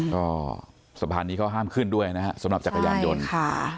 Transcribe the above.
ก็สะพานนี้เขาห้ามขึ้นด้วยนะฮะสำหรับจักรยานยนต์ค่ะ